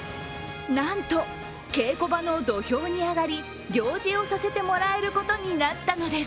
なんと、稽古場の土俵に上がり行司をさせてもらえることになったのです。